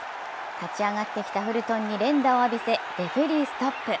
立ち上がってきたフルトンに連打を浴びせ、レフェリーストップ。